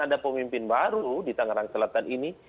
ada pemimpin baru di tangerang selatan ini